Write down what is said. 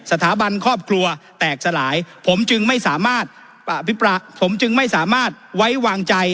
สถาบันครอบครัวแตกสลายผมจึงไม่สามารถไว้วางใจ